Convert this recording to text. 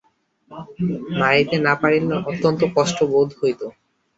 মারিতে না পারিলে অত্যন্ত কষ্ট বোধ হইত।